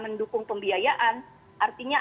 mendukung pembiayaan artinya